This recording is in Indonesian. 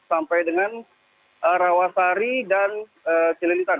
sampai dengan rawasari dan celilitan